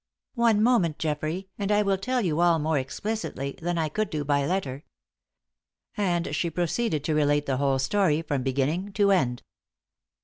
One moment, Geoffrey, and I will tell you all more explicitly than I could do by letter." And she proceeded to relate the whole story from beginning to end.